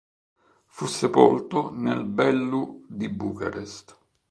Fu sepolto nel Bellu di Bucarest.